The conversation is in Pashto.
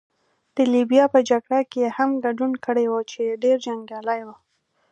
د لیبیا په جګړه کې يې هم ګډون کړی وو، چې ډېر جنګیالی وو.